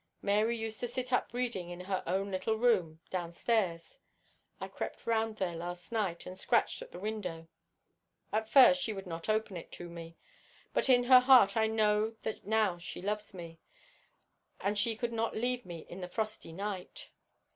Mary used to sit up reading in her own little room downstairs. I crept round there last night and scratched at the window. At first she would not open to me, but in her heart I know that now she loves me, and she could not leave me in the frosty night.